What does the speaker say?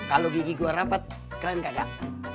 kalo gigi gua rapet keren kakak